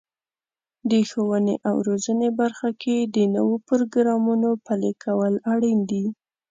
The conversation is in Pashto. د ښوونې او روزنې برخه کې د نوو پروګرامونو پلي کول اړین دي.